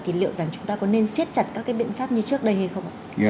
thì liệu rằng chúng ta có nên siết chặt các biện pháp như trước đây hay không